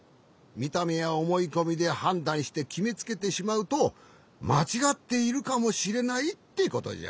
みためやおもいこみではんだんしてきめつけてしまうとまちがっているかもしれないってことじゃ。